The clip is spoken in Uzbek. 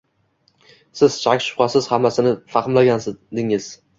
Siz, shak-shubhasiz, hammasini fahmladingiz